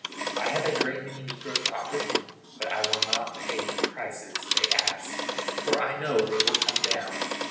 I have a great many negroes offered to me, but I will not pay the prices they ask, for I know they will come down.